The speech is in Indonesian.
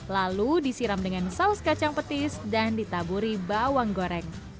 lalu disiram dengan saus kacang petis dan ditaburi bawang goreng